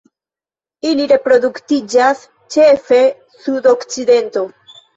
Ili reproduktiĝas ĉefe sudokcidente.